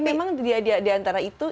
memang diantara itu